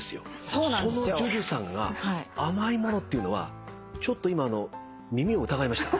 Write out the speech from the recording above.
そのＪＵＪＵさんが甘いものっていうのはちょっと今あの耳を疑いました。